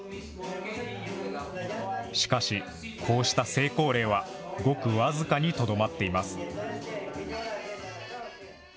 しかしこうした成功例はごく僅かにとどまっています。